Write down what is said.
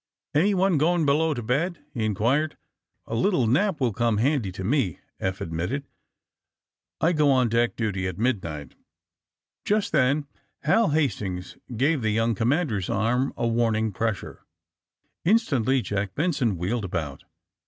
'* Anyone going below to bedT' he inqnired. A little nap will come bandy to me," Eioh admitted. ^*I go on deck duty at midnight.'' Jnst then Hal Hastings gave the young com mander's arm a warning pressure. Instantly Jack Benson wheeled about.